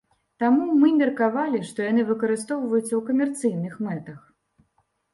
Таму мы меркавалі, што яны выкарыстоўваюцца ў камерцыйных мэтах.